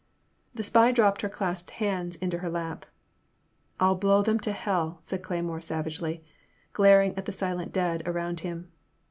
The spy dropped her clasped hands into her lap. I '11 blow them to hell!" said Cle>Tnore savagely, glaring at the silent dead around him.